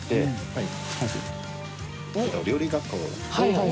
はい。